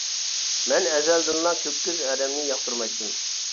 مەن ئەزەلدىنلا كۆك كۆز ئادەمنى ياقتۇرمايتتىم.